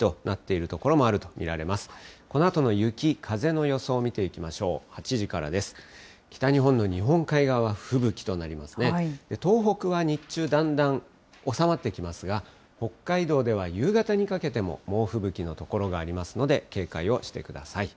東北は日中、だんだん収まってきますが、北海道では夕方にかけても猛吹雪の所がありますので警戒をしてください。